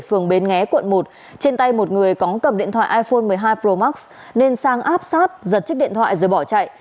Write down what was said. phường bến nghé quận một trên tay một người có cầm điện thoại iphone một mươi hai pro max nên sang áp sát giật chiếc điện thoại rồi bỏ chạy